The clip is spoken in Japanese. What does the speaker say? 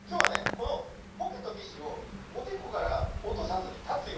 このポケットティッシュをおでこからおとさずにたつよ。